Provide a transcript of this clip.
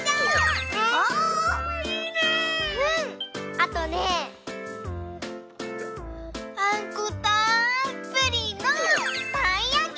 あとねあんこたっぷりのたいやき！